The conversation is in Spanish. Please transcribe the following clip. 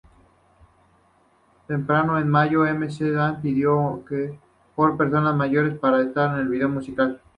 Temprano en mayo, McFadden pidió por personas mayores para estar en el vídeo musical.